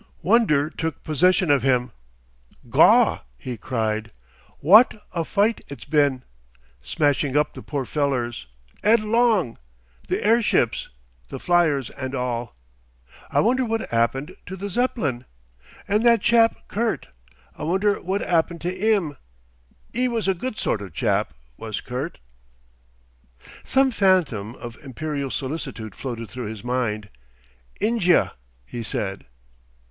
Wonder took possession of him. "Gaw!" he cried: "Wot a fight it's been! Smashing up the poor fellers! 'Eadlong! The airships the fliers and all. I wonder what happened to the Zeppelin?... And that chap Kurt I wonder what happened to 'im? 'E was a good sort of chap, was Kurt." Some phantom of imperial solicitude floated through his mind. "Injia," he said....